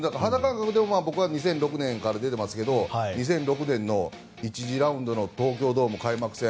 僕は２００６年から出ていますけど２００６年の１次ラウンドの東京ドーム開幕戦